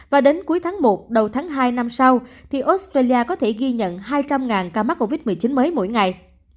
và đến cuối tháng một đầu tháng hai năm sau thì australia có thể ghi nhận hai trăm linh ca mắc covid một mươi chín mới mỗi ngày